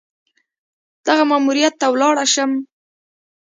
دغه ماموریت ته ولاړه شم.